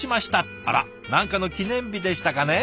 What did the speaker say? あら何かの記念日でしたかね。